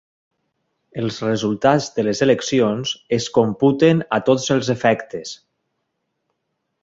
Els resultats de les eleccions es computen a tots els efectes.